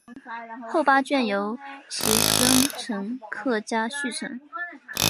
后八卷由其孙陈克家续成。